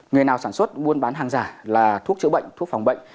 người nào sản xuất buôn bán hàng giả là thuốc chữa bệnh thuốc phòng bệnh